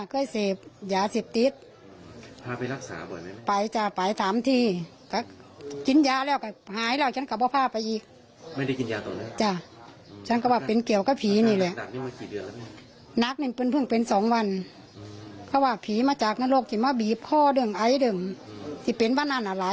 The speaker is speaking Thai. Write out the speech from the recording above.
เอาหุ่นจิตพึงเจ็ดป้าชาของปู่เขานะ